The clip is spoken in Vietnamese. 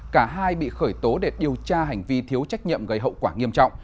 cả hai bị khởi tố để điều tra hành vi thiếu trách nhiệm gây hậu quả nghiêm trọng